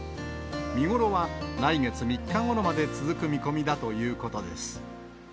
見頃は来月３日ごろまで続く見込みだということです。